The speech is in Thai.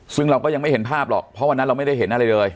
ซึ่งเราก็ยังไม่เห็นภาพหรอกเพราะวันนั้นเราไม่ได้เห็นอะไรเลย